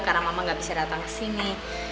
karena mama gak bisa datang kesini